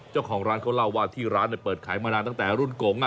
เจ้าของร้านเขาเล่าว่าที่ร้านเปิดขายมานานตั้งแต่รุ่นกง